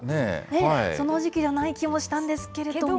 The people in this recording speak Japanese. その時期じゃない気もしたんですけれども？